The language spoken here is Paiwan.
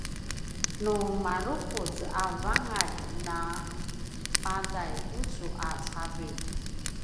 na marukuz a vangalj na padai tucu a cavilj